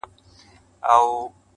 تا پخپله جواب کړي وسیلې دي؛